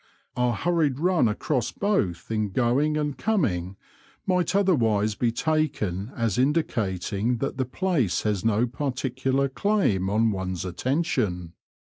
Our hurried run across both in going and coming might otherwise be taken as indi cating that the place has no particular claim on one's attention.